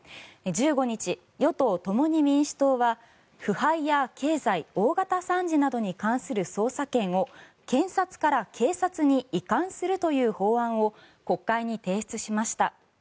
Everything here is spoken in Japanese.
１５日、与党・共に民主党は腐敗や経済大型惨事などに関する捜査権を検察から警察に移管するという法案を国会に提出しました。